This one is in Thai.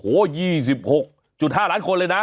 โอ้โห๒๖๕ล้านคนเลยนะ